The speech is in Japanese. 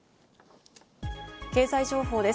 経済情報です。